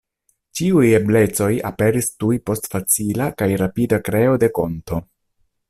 Ĉiuj eblecoj aperis tuj post facila kaj rapida kreo de konto.